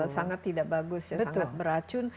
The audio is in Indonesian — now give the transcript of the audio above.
sangat tidak bagus ya sangat beracun